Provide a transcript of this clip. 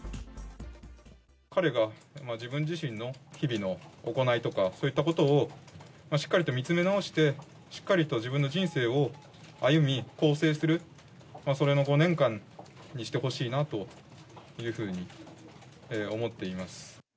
彼が自分自身の日々の行いとか、そういったことをしっかりと見つめ直して、しっかりと自分の人生を歩み、更生する、それの５年間にしてほしいなというふうに思っています。